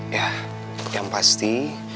ya yang pasti